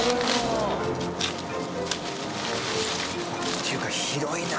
っていうか広いな。